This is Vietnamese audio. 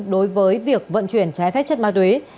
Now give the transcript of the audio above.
đối với việc vận chuyển trái phép chất ma túy